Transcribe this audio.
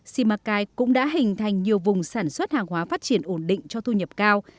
simacai cũng đã hình thành nhiều vùng sản xuất hàng hóa phát triển ổn định cho thu nhập cao